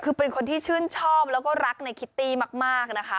คือเป็นคนที่ชื่นชอบแล้วก็รักในคิตตี้มากนะคะ